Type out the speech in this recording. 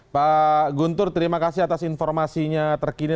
pak guntur terima kasih atas informasinya terkini